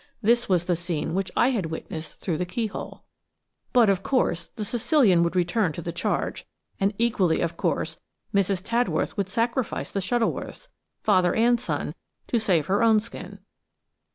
This was the scene which I had witnessed through the keyhole. But, of course, the Sicilian would return to the charge, and equally, of course, Mrs. Tadworth would sacrifice the Shuttleworths, father and son, to save her own skin.